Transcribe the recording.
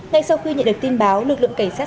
ngay sau khi nhận được tin báo lực lượng cảnh sát